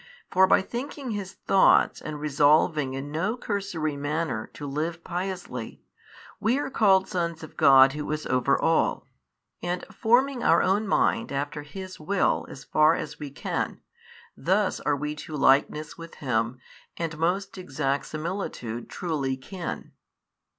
For by thinking His Thoughts and resolving in no cursory manner to live piously, we are called sons of God who is over all, and forming our own mind after His Will so far as we can, thus are we to likeness with Him and most exact similitude truly kin.